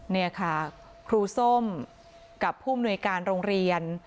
นี่ค่ะครูส้มกับผู้มนุยการโรงเรียน